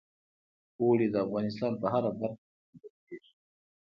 اوړي د افغانستان په هره برخه کې موندل کېږي.